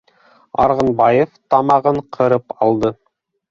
Арғынбаев тамағын ҡырып алды: